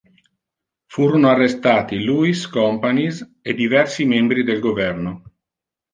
Furono arrestati Lluís Companys e diversi membri del governo.